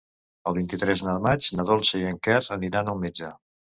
El vint-i-tres de maig na Dolça i en Quer aniran al metge.